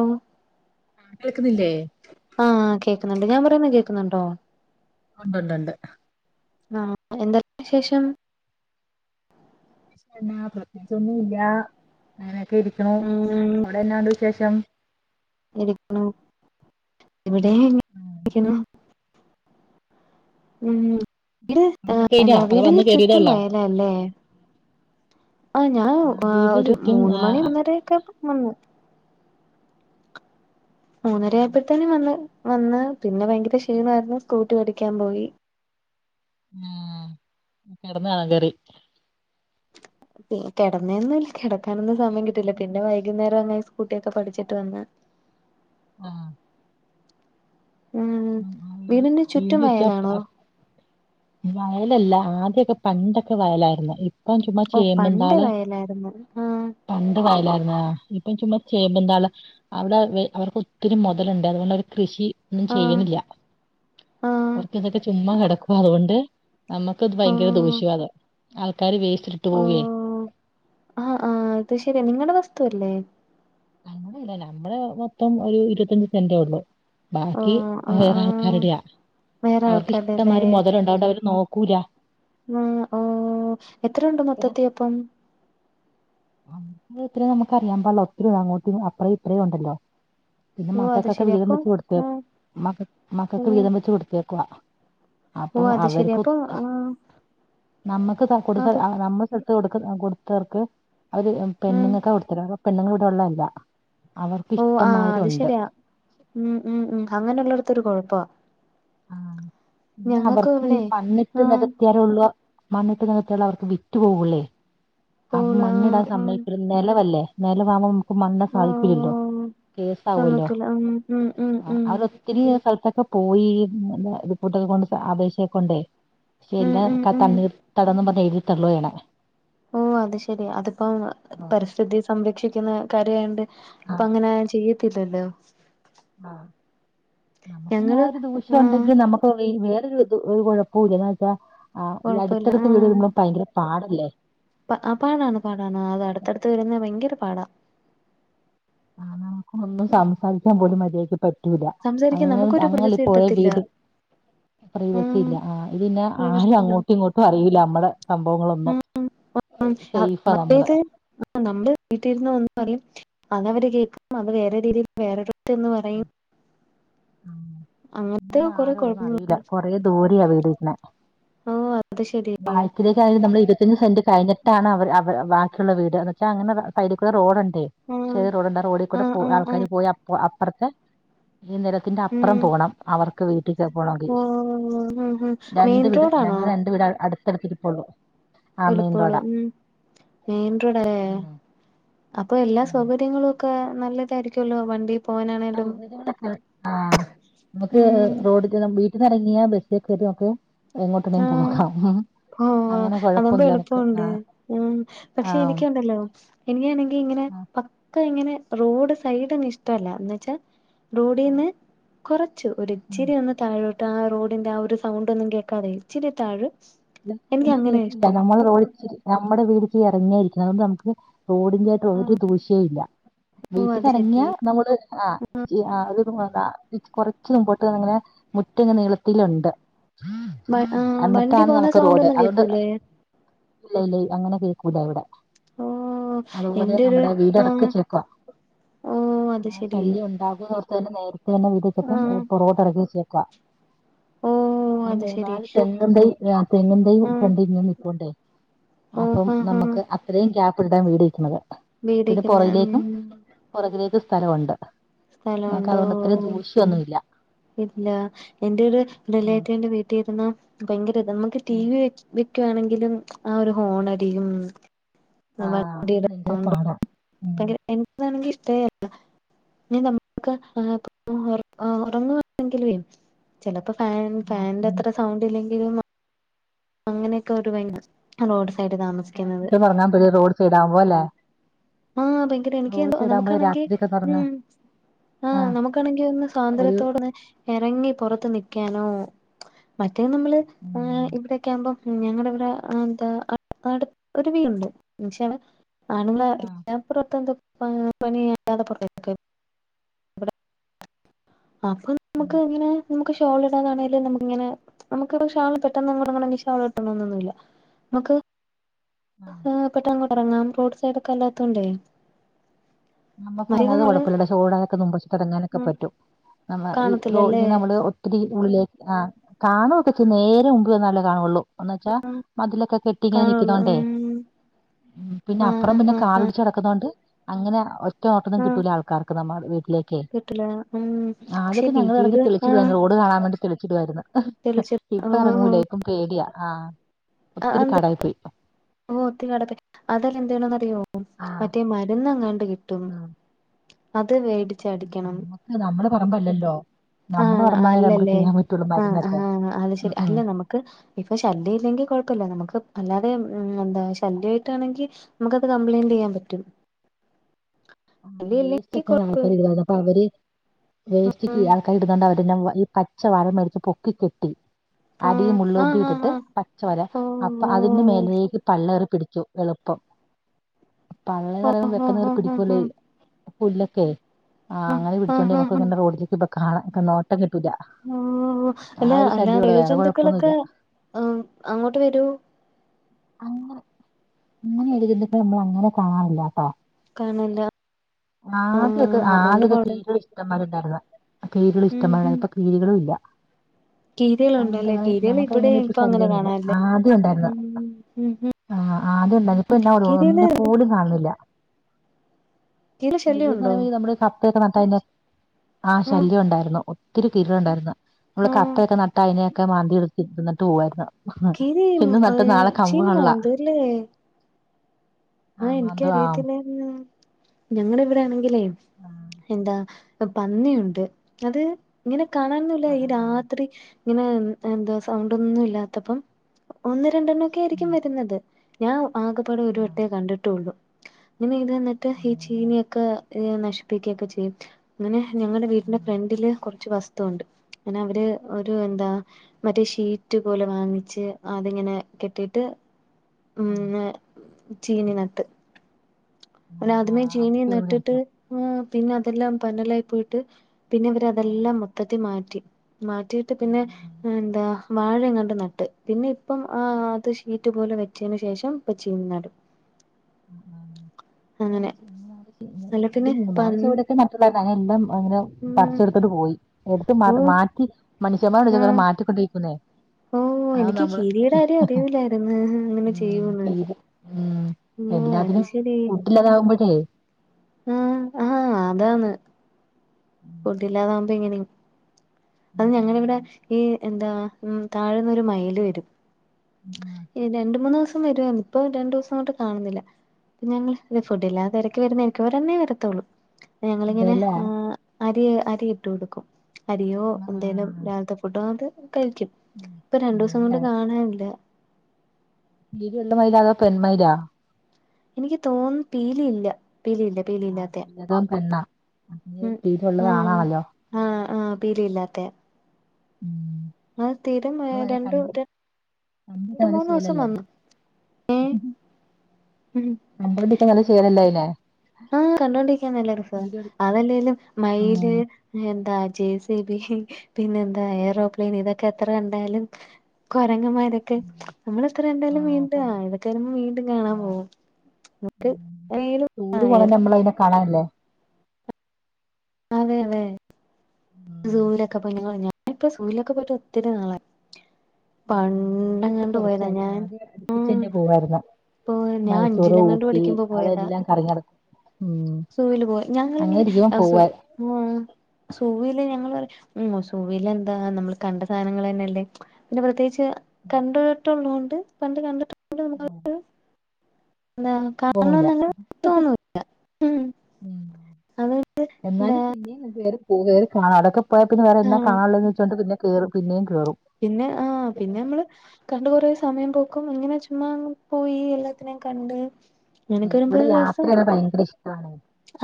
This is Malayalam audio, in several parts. ഓ ആഹ് കേൾക്കുന്നില്ലേ? ആഹ് കേക്കുന്നുണ്ട് ഞാൻ പറയുന്ന കേക്കുന്നുണ്ടോ? ഉണ്ടുണ്ടുണ്ട് ആ എന്താ വിശേഷം പ്രത്യേകിച്ചൊന്നുല്ല അങ്ങനെയൊക്കെ ഇരിക്കണു ഉം അവിടെന്നാ ഒണ്ട് വിശേഷം? ഇരിക്കണു ഇവിടേം ഇങ്ങനെ ഉം. ഇരിക്ക്ണു മ് വീട് പണിയൊക്കെ എന്താ കഴിഞ്ഞോ അതോ വീടിന് വന്ന് ചുറ്റും കേറിയതേള്ളോ വയ അല്ലേ ആ ഞാൻ വീടിന് ഒരു ചുറ്റും മൂന്നു ആ മണി മൂന്നരയൊക്കെ മ് ആ മൂന്നര ആയപ്പോഴത്തേന് വന്ന് വന്ന് പിന്നെ ഭയങ്കര ക്ഷീണമായിരുന്നു സ്കൂട്ടി പഠിക്കാൻ പോയി ആഹ് കെടന്ന് കാണും കേറി കിടന്നേന്നു കിടക്കാനൊന്നും സമയം കിട്ടില്ല പിന്നെ വൈകുന്നേരം [unintelligible] സ്കൂട്ടിയൊക്കെ പഠിച്ചിട്ട് വന്ന് ആഹ് ഉം വീടിന് ചുറ്റും വയലാണോ [unintelligible] വയലല്ല ആദ്യൊക്കെ പണ്ടൊക്കെ വയലായിരുന്നു ഇ പ്പം ചുമ്മാ ഓ ചേമ്പും പണ്ട് താള് വയലായിരുന്നു ആഹ് പണ്ട് വായലായിരുന്ന് ഇപ്പൊ ചുമ്മാ ചേമ്പുംന്താള അവിടെ അവർക്ക് ഒത്തിരി മുതലുണ്ടെ അതുകൊണ്ട് അവര് കൃഷി ഒന്നും ആഹ് ചെയ്യണില്ല ആഹ് അവർക്ക് ഇതൊക്കെ ചുമ്മാ കിടക്കുവ അതുകൊണ്ട് നമ്മ ത് ഭയങ്കര ആഹ് ദോഷ്യമാത ആൾക്കാര് വേസ്റ്റിട്ടിട്ട് പോവേ ഓഹ് ആഹ് ആഹ് അത് ശരിയ നിങ്ങടെ വസ്തുവല്ലേ? നമ്മുടെല്ല നമ്മള മൊത്തം ഒരു ഇരുപത്തഞ്ച് സെന്റേ ഉള്ളു ബാക്കി ഓഹ് ആഹ് വേറെ ആഹ് ആൾക്കാരുടെയാ വേറെ അവർക്ക് ആൾക്കാര്ടെല്ലേ ഇഷ്ടംമാരി മുതലുണ്ട് അതോണ്ടവര് നോക്കൂല ആഹ് ആഹ് എത്രയുണ്ട് മൊത്തത്തി അപ്പം? [unintelligible] നമുക്ക് അറിയാൻ പാടില്ല ഒത്തിരി അങ്ങോട്ടും അപ്പറേ ഇത്രേ ഉണ്ടല്ലോ പിന്നെ ഓഹ് അത് മക്കക്കൊക്കെ ശെരി വീതം അപ്പൊ വെച്ച് കൊടുത്ത് ആഹ് മ മക്കക്ക് ഓഹ് വീതം വെച്ച് കൊടുത്തേക്കുവ ഓഹ് അപ്പം അത് ശെരി അവര്ക്ക് അപ്പൊ ആഹ് നമ്മുക്ക് ആഹ് കൊടുത്ത പ നമ്മള് സൊത്ത് കൊടുക്ക് കൊടുത്തവർക്ക് അവര് ഉം പെണ്ണുങ്ങക്ക കൊടുത്തിന് പെണ്ണുങ്ങ ഇവിടൊള്ളതല്ല അവർക്ക് ഇഷ്ടം മാതിരി ഒണ്ട് ഉമ് ഉമ് ഉമ് അങ്ങനുള്ളടത്തൊരു കുഴപ്പ ആഹ് പിന്നെ അവർക്ക് ഈ ഇവിടെ ആഹ് [unintelligible] വുള്ള മണ്ണിട്ട് നികത്തുള്ളവർക്ക് വിറ്റുപോകൂല്ലേ ആ പൂള് ആഹ് മണ്ണിടാൻ ആഹ് സമ്മതിക്കില്ല നിലവല്ലേ നിലവാകുമ്പോം മണ്ണു [unintelligible] ഓഹ് കേസ് ആവല്ലോ സമ്മയ്ക്കൂല ഉം ഉം ഉം ആ ഉം അവ ഒത്തിരി സ്ഥലത്തൊക്കെ പോയി റിപ്പോർട്ട്‌ ഒക്കെ കൊണ്ട് അപേക്ഷയോകെ കൊണ്ടേ ഉം ഉം ഉം [unintelligible] ഓഹ് അത് ശെരി അതിപ്പോം പരിസ്ഥിതി സംരക്ഷിക്കുന്ന കാര്യ ആയോണ്ട് ആ ഇപ്പൊ അങ്ങനെ ചെയ്യത്തില്ലല്ലോ ആഹ് ഞാൻ ഞങ്ങള് ഒരു ദൂഷ്യം ആഹ് ഉണ്ടെങ്കിൽ ഇപ്പൊ ഈ വേറൊരു ഒരു കുഴപ്പമില്ല എന്ന് വെച്ചാൽ ആ ഈ കൊഴപ്പല്ല അടുത്തടുത്ത വീട് വരുമ്പളാ ഭയങ്കര പാടല്ലേ ആഹ് പാടാണ് പാടാണ് അത് അടുത്തടുത്ത് വരുന്നത് ഭയങ്കര പാടാ ഒന്നും സംസാരിക്കാൻ പോലും മര്യാതക്ക് പറ്റൂല്ല സംസാരിക്കാൻ അങ്ങ നമുക്കൊരു അങ്ങല്ല പ്രൈവസി ഇപ്പോയെ കിട്ടത്തില്ല വീട് പ്രൈവസി ഉം ഇല്ല ആ ഇതിന്നെ ആരും അങ്ങോട്ടും ഇങ്ങോട്ടും അറിയില്ല നമ്മള സംഭവങ്ങളൊന്നും സേഫാ നമ്മള് [unintelligible] ആ നമ്മുടെ വീട്ടിലിരുന്ന് ഒന്നു പറയും അതവര് കേക്കും അത് വേറെ രീതിയിൽ വേറടത്ത് ചെന്ന് പറയും അങ്ങനത്തെ കൊറെ കുഴപ്പങ്ങളാ കുറേ ദൂര വീടിരിക്കുന്നെ ഓഹ് അത് ശെരി ബാക്കിലേക്ക് ആയത് നമ്മള് ഇരുപത്തഞ്ച് സെന്റ് കഴിഞ്ഞിട്ടാണ് അവ ബാക്കിയുള്ള വീട് അങ്ങനെ സൈഡിക്കൂടെ റോഡ് ഉണ്ട് അ ആഹ് ചെറിയ റോഡ് ഇണ്ട് ആഹ് റോഡി കൂടെ പോ ആഹ് ആഹ് ആൾക്കാര് പോയി അപ്പ അപ്പുറത്തെ ഈ നിരത്തിന്റെ അപ്പുറം ഉം പോണം അവർ വീട്ടിക്ക് പോണങ്കിൽ ഓ രണ്ട് മെയിൻ വീട് ഞങ്ങൾ റോഡാണോ രണ്ട് വീട് അടുത്തടുത്ത് ഇരിപ്പോള്ളൂ എളിപ്പോളും മെയിൻറോഡല്ലേ ഉം അപ്പൊ എല്ലാ ഉം സൗകര്യങ്ങളും ഒക്കെ നല്ലതായിരിക്കുല്ലോ വണ്ടി പോവാനാണേലും സൗകര്യ ആഹ് നമുക്ക് ഉം റോഡ് വീട്ടന്നിറങ്ങിയ ബസ്സിലക്കയും ഒക്കെ എങ്ങോട്ടു വേണേ പോകാം ഓഹ് അങ്ങനെ അതോണ്ട് കൊഴപ്പൊന്നുല്ല നമുക്ക് എളുപ്പണ്ട് ആഹ് പക്ഷെ ആഹ് എനിക്കുണ്ടല്ലോ എനിക്കാണെങ്കിൽ ഇങ്ങനെ പ ഇങ്ങനെ റോഡ് സൈടൊന്നും ഇഷ്ടല്ല എന്നുവെച്ചാ റോഡിന്ന് കുറച്ചു ഒരു ഇിച്ചിരി ഒന്നു താഴോട്ട് ആ റോഡിന്റെ ആ ഒരു സൗണ്ട് ഒന്നും കേക്കാതെ ഇച്ചിരി താഴ് നമ്മുടെ വീടക്ക് ഇറങ്ങിയയിരിക്കണം അതൊണ്ട് നമുക്ക് റോഡിന്റെ ഒരു ആഹ് ദൂഷ്യോം ഇല്ല ഓ അത് ശരി വീട്ടിനറങ്ങിയാ നമ്മള് ആഹ് അത് കുറച്ച് മുമ്പോട്ട് അങ്ങനെ മുറ്റം നീളത്തിലുണ്ട് ആ വണ്ടി എന്നിട്ടാണ് പോകുന്ന സ് നമുക്ക് റോഡ് അതുകൊണ്ട് ഇല്ല ഇല്ല അങ്ങനെ കേക്കൂല ഇവിടെ ഓ അതുപോലെ എന്റെ ഒരു നമ്മടെ വീട് ആഹ് [unintelligible] ഓ ആ അത് ശെരി ശല്യം ഉണ്ടാകുന്നൊർത്ത തന്നെ നേരത്തെ തന്നെ വീട് ആഹ് പുറകോട്ട് ഇറുകി വെച്ചേക്കുവാ ഓ ആ അത് ശെരി മൂന്നാല് തെങ്ങിൻ തൈ തെങ്ങിൻ തൈയും ആഹ് കണ്ട് ഇങ്ങു നിക്കണ്ടേ ഓ അപ്പം ആഹ് ആഹ് നമ്മുക്ക് അത്രയും ഗ്യാപ്പ് ഇട്ടിട്ടാ വീട് ഇരിക്കുന്നത് പിന്നെ വീടിക്കുന്ന ഉം പുറയിലേക്കും പുറകിലേക്കും സ്ഥലമുണ്ട് നമക്ക് സ്ഥലമുണ്ട് അതുകൊണ്ട് ഓ ഇത്രയും ദൂഷ്യൊന്നുല്ല ഇല്ല എന്റെ ഒരു റിലേറ്റീവിന്റെ വീട്ടിൽ ഇരുന്ന് ഭയങ്കര നമുക്ക് ടി വി വെക്കുവാണെങ്കിലും ആ ഒരു ഹോണടിയും ആഹ് വണ്ടിടെ ഭയങ്കര സൗണ്ട് പാടാ ഉം എനിക്കാണെങ്കി ഇഷ്ടേല്ല പിന്നെ നമ്മക്ക് ഉറങ്ങുവാണെങ്കിലുവേ ചിലപ്പോ ഫാൻ ഫാനിന്റെ രാത്രി അത്ര സൗണ്ട് ഇല്ലെങ്കിലും അങ്ങനെയൊക്കെ ഒരു ഭയങ്കര റോഡ് സൈഡ് താമസിക്കുന്നത് പറഞ്ഞാ പോല റോഡ് സൈഡ് ആവുമ്പോ അല്ലേ ആഹ് ഭയങ്കര എനിക്ക് റോഡ് എന്തോ സൈഡ് ആകുമ്പോഴേ നമുക്കാണെങ്കി രാത്രിക്കൊക്കെ ഉറങ്ങാൻ ഉം ആഹ് നമുക്കാണെങ്കിൽ ഒന്ന് ഒരു സ്വാതന്ത്ര്യത്തോടൊന്ന് എറങ്ങി പുറത്ത് നിൽക്കാനോ മറ്റേ നമ്മള് ഏ ഉം ഇവി ളും ഞങ്ങടെ ഇവിടെ എന്താ അടു അട് ഒരു വീണ്ട് മ്ഷാണ് ആണ്ങ്ങളെ ആഹ് [unintelligible] പണി ഇല്ലാതെ പറ [unintelligible] ആക്. ഉം നമ്ക്ക് ഇങ്ങനെ നമുക് ഷോളി ടാതാണെലും നമക്ക്ങ്ങെനെ നമുക്ക് ഷോൾ പെട്ടന്നൊ ഷോള്ട്ടണന്നൊന്നുല്ലാ നമക്ക് ആഹ് ആ പെട്ടങ്ങ എറങ്ങാം റോഡ് സൈഡ്ക്കെല്ലാത്തോണ്ടേ. നമുക്ക് അങ്ങത് കൊഴപ്പില്ലടെ ചോടാനൊക്കെ നുമ്പശ്ച് തുടങ്ങാനൊക്കെ ഉം പറ്റും നമ്മളെ ഇ റോ കാണത്തില്ലല്ലേ ഈ നമ്മള് ഒത്തിരി ഉള്ളിലേക്ക് ആ കാണൊക്കെചെ നേരെ മുമ്പ്ന്നല്ലേ കാണോള്ളൂ. എന്നുവെച്ചാ മതിലൊക്കെ കെട്ടി ഇങ്ങനെ കാണുള്ളൂ നിക്കുന്നോണ്ടേ? ഉം ഉം പിന്നെ ആഹ് അപ്പുറം ആഹ് പിന്നെ ആഹ് കാറിടിച്ച് കിടക്ന്നോണ്ട് അങ്ങനെ റ്റ ഓട്ടൊന്നും കിട്ടൂല്ല ആൾക്കാർക്ക് നമ്മടെ വീട്ടിലേക്കേ കിട്ടില്ല ഉം പക്ഷെ ആദ്യൊക്കെ ഞങ്ങൾ ഇറങ്ങി വീട് ആഹ് വിളിച്ചിരുന്നു റോഡ് കാണാർണ്ടി തെളിച്ചിടുമായിരുന്നു തെളിച്ച ഇപ്പൊ ആഹ് എറങ്ങൂല ഇപ്പം പേടിയാ ആ ഒത്തിരി കടായി പോയി. ഓഹ് ഒത്തി കടത്തെ അതെല്ല എന്ത്യ്യെ ണോന്ന്റിയോ ആ മറ്റേ മരന്നെങ്ങാണ്ട് കിട്ടും. അത് വേടി ഉം നമ്മക്ക് നമ്മളെ പറമ്പല്ലല്ലോ? നമ്മള് ആഹ് പറമ്പാലെല്ലേ നമുക്ക് അല്ലല്ലേ ചെയ്യാൻ പറ്റുള്ളൂ മരുന്നൊക്കെ ഉം ഉം ക്ക്‌ ഇപ്പൊ ശല്യഇല്ലെങ്കിൽ കൊഴപ്പല്ല്യാ നമക്ക് അല്ലാതെ ഉം എന്താ ശല്യയിട്ടാണെങ്കിൽ നമുക്കത് കംപ്ലയിന്റ്യ്യാൻ പറ്റും. ആ ശല്യം വേസ്റ്റ് ഇല്ലെങ്കി കൊ ഒക്കെയ ആൾക്കാർ ഇായിരുന്നത് അപ്പൊ അവര് വേസ്റ്റ്കി ഉം ആൾക്കാർ ഇട്ന്ന് അതെല്ലാവാ ഈ പച്ച വാരംമരിക് പൊക്കി കെട്ടി അതീ ആഹ് മുള്ളൊപ്പി ആഹ് ആഹ് ഇട്ടിട്ട് പച്ചവര ആഹ് അപ്പൊ ഓഹ് അതിന്റെ ഓഹ് മേലേക്ക് പള്ളയറി പിടിക്കു എളുപ്പം പള്ളന്ന് ഓഹ് പറയുമ്പോ വെക്കന്നെറി ഓഹ് ഓഹ് ഓഹ് പിടികുലല്ലോ? ഓഹ് പുല്ലൊക്കെ ആഹ് ആങ്ങനെ പിടിച്ചോണ്ട് ആഹ് നമുക്ക് ആഹ് ഇങ്ങനെ റോഡിലേക്ക് ഇപൊ കാണാം നോട്ടം കിട്ടുല്ല. ആ അല്ല അല്ലാ ഏഴു ജന്തുക്കളൊക്കെ കുഴപ്പമൊന്നുമില്ല അങ്ങോട്ട് വരൂ? അങ്ങനെ അങ്ങനെ എഴതുന്നത് നമ്മൾ അങ്ങനെ കാണാറില്ലട്ടോ. കാണേല്ല ആദ്യൊക്കെ ആദ്യൊക്കെ കൊഴ കീരിയേൾ ഇഷ്ടന്മാരുണ്ടായിര്ന്നു കീരിൾ ഉം ഇഷ്ടമാര് ഉം കീരീകളുംല്ല. അതുന്തെ കീരികളുണ്ടല്ലേ കീരികൾ നമുക്ക് ഇവിടെ അങ്ങനെപ്പ ഇപ്പൊ അങ്ങനെ ശല്യംവൊന്നുല്ല കാണാനില്ല ആദ്യംണ്ടായിരുന്നു ഉം ഉം ഉം ആഹ് അദ്യണ്ടയ് ഇപ്പൊ എന്നോടൊ കീരികള് ഒന്നിനെപോലും കാണുന്നില്ല. കീരിടെ ഇത് ശല്യം ന്ന് ഉണ്ടോ പറയുമ നമ്മുടെ കപ്പയൊക്കെ നട്ടെയ്ഞാ ആഹ് ശല്യംണ്ടായിരുന്നു ഒത്തിരി കിരെള ണ്ടായിര്ന്ന് നമ്മള് ആഹ് കത്തയൊക്കെ നട്ട് അതിനൊക്കെ മാന്തി എടുത്തി ഇന്നിട്ട് പോവായിരുന്നു. കീരി ഇന്ന് നട്ട് നാളെ ചീനി [unintelligible] മാന്തൂരില് ആഹ് മാന്തു ആഹ് ഇൻക്കറിയത്തില്ലായിരുന്നു. ഞങ്ങളെവിടെ ആണെങ്കിലേ എന്താ പന്നിയുണ്ട് അത് ഇങ്ങനെ കാണാനുന്നില്ല ഈ ആഹ് ആഹ് ആഹ് രാത്രി ഇങ്ങനെ എന്തോ സൗണ്ട് ഒന്നും ഇല്ലാത്തപ്പം ഒന്ന് രണ്ടെണ്ണം ഒക്കെ ആയിരിക്കും ഉം വരുന്നത്. ഞാൻ ആകപാടെ ഒരു ആഹ് വട്ടേ കണ്ട്ട്ടുള്ളു. ഇനി ഇത് തിന്നിട്ട് ഈ അതെല്ലേ ചീനിയൊക്കെ നശിപ്പിക്കെയൊക്കെ ചെയ്യും ങ്ങനെ ഞങ്ങടെ വീടിന്റെ ഉം ഫ്രണ്ടില് കൊറച്ച് വസ് ത്തോണ്ട് പിന്നെ അവര് ഒരു എന്താ മറ്റേ ഷീറ്റ് പോലെ വാങ്ങിച്ച് അതിങ്ങനെ കെട്ടിട്ട് ഉം ചീഞ്ഞി നട്ട് പിന്നെ ആഹ് ആദ്യമേ ആഹ് ചീനി അതൊക്കെ എവിടെ നട്ടിട്ട് ഇരിക്കും ആ പിന്നെ അതെല്ലാം പന്നലായി പോയിട്ട് ആഹ് പിന്നെവരെതെല്ലാം മൊത്തത്തി മാറ്റി മാറ്റിയിട്ട് ഉം പിന്നെ ഉം എന്താ വാഴങ്ങണ്ട് നട്ട് പിന്നെ ഇപ്പം അത് ഷീറ്റ് പോലെ വെച്ചേന് ശേഷം ഇപ്പ ചീഞ്ഞി നടും. അങ്ങനെ അല്ല ഇത് പിന്നെ മൂന്നാല് പന്നി ചൊവടൊയൊക്കെ ന എല്ലാം അങ്ങനെ ഉം പറച്ചെടുത്തിട്ട് പോയി എടുത്ത് മാ ഓ മാറ്റി മനുഷ്യന്മാരോട് ആഹ് [unintelligible] മാറ്റിക്കൊണ്ടിരിക്കുന്നേ. ഓ അത് എനിക്ക് നമ്മള് കിരീടെ കാര്യം അറിയൂലായിരുന്നു അങ്ങനെ ഉം ചെയ്യൂന്ന് തീര് ഉം ഓ അത് എല്ലാത്തിനും ശരി കൂട്ടിലതാവുമ്പോയേ ആഹ് ആഹ് അതാന്ന് ഫുഡ്ഡില്ലാതാകുമ്പോ ഇങ്ങനെ അത് ഞങ്ങള ഇവിടെ ഈ എന്താ ഉം താഴന്നൊരു മയിൽ വരും. ഇ രണ്ട്, മൂന്ന് ദിവസം പ്പ വരുർഞ്ഞ് ഇപ്പൊ രണ്ടു ദിവസം കൊണ്ട് കാണുന്നില്ല. ഞങ്ങൾ ഫുഡ് ഇല്ലാതെ ഇരക്ക് വരുന്ന [unintelligible] വരത്തുള്ളൂ ഞങ്ങൾങ്ങനെ അതെല്ലേ ആഹ് അരി അരി ഇട്ടു കൊടുക്കും. അരിയോ എന്തേലും ആഹ് രാവത്തെ ഫുഡ്ഡോ അത് കഴിക്കും. ഇപ്പൊ രണ്ടു ദിവസം കൊണ്ട് അതെല്ലേ കാണാനില്ല. [unintelligible] മയിലാ അതോ പെൺ മയിലോ? എനിക്ക് തോന്ന് പീലി ഇല്ല പീലി ഇല്ല. ഉം [unintelligible] പീലി ഉള്ളത് ആഹ് ആണാണല്ലോ. ആഹ് ആഹ് പീലി ഇല്ലാത്തേ ഉം ഏഹ് അവനെ രണ്ട് കണ്ട് കണ്ട്ട്ട് രണ്ട് നല്ല മൂന്ന് ദിവസം ശീലല്ലേ. വന്നു ഏഹ് [unintelligible] [unintelligible] കണ്ടോണ്ട്ക്കാൻ നല്ല ചേലല്ലേ അയിനെ. ആഹ് കണ്ടോണ്ടിരിക്കാ നല്ലരസാ അതല്ലെലും മയില് ഉം എന്താ ജെ സി ബി പിന്നെന്താ ഏറോപ്ലെയിൻ ഇതൊക്കെ എത്ര കണ്ടാലും കൊരങ്ങമാരൊക്കെ നമ്മൾ എത്ര കണ്ടാലും ആഹ് വീണ്ടും ആയതൊക്കെ വരുമ്പോ വീണ്ടും കാണാൻ ആഹ് പോകും. മുക്ക് അയിനു റ്റൂറ് [unintelligible] നമ്മള അയിനെ കാണാനല്ലേ? അതെ അതെ ആഹ്. ഉം സൂരക്കെ പോയി ഞങ്ങള് ഞ ഞാനിപ്പോ സൂര്യനൊക്കെ പോയിട്ട് ഒത്തിരി നാളായി. ഉം. ഉം. ഞങ്ങളിപ്പോ പണ്ടങ്ങാണ്ട് പോയതാ കൊറച്ചായി. ഞാൻ ആദ്യം ഉം അടുപ്പിച്ചന്നെ പോവായിരുന്നു. ഇപ്പൊ ഞാൻ മൈസൂറ്, അഞ്ചിലങ്ങാണ്ട് ഊട്ടി പഠിക്കുമ്പോ പോയതാ. അവിടെല്ലാം കറങ്ങി നടക്കും. ഉം. സുവിൽ പോയി അങ്ങനെ ഞങ്ങളിങ്ങനെ ഇരിക്കുമ്പോ അ സു പോവാ ഉം സുവിയില് ഞങ്ങള് പറിം ഉം സുവിൽ എന്താ നമ്മൾ കണ്ട സാധനങ്ങൾ തന്നെല്ലേ. പിന്നെ പ്രത്യേകിച്ച് കണ്ട്ട്ടുള്ളതുകൊണ്ട് പണ്ട് കണ്ട്ട്ട് ഉം എന്താ പോകുല കാണണോന്നങ്ങനെ തോന്നൂല ഉം ഉം അത് എന്താ എന്നാലും പിന്നെ [unintelligible] [unintelligible] കാടൊക്കെ പോയാ പിന്നെ വേറെ എന്താ ആഹ് കാണാനുള്ളോന്ന്യ്ച്ചാണ്ട് പിന്നെ കേറും പിന്നെ കേറും. പിന്നെ ആഹ് പിന്നെ നമ്മള് കണ്ട് കൊറേ സമയം പോക്കും ഇങ്ങനെ ചുമ്മാ പോയി എല്ലാത്തിനെയും കണ്ട് ഉമ് അങ്ങനൊക്കെ വരുമ്പോ ഇവടെ ഒരു രസം യാത്രയാണ ഭയങ്കര ഇഷ്ടമാണ്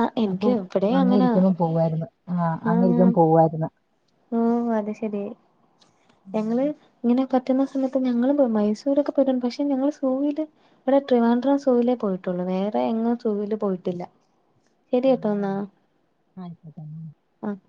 ആഹ് അപ്പൊ എനിക്ക് ഇവിടേം അങ്ങെ അങ്ങനാ ഇരിക്കുമ്പം പോകായ്രുന്നു ആഹ് അങ്ങ ഇരിക്കുമ്പോ പോവായിരുന്ന ഉമ് അത് ശെരി ഞങ്ങള് ഉം. ഇങ്ങനെ പറ്റുന്ന സമയത്ത് ഞങ്ങള് മൈസൂരൊക്കെ പോയിട്ടണ്ട് പക്ഷെ ഞങ്ങള് സൂൽ ഇവിടെ ത്രിവാൻഡ്രം സൂവിലേ പോയിട്ടുള്ളൂ വേറെ എങ്ങും സൂവിൽ പോയിട്ടില്ല ശരി ഉം കേട്ടോ ല്ലേ. എന്നാ ആയിക്കോട്ടെ എന്നാ. ആഹ്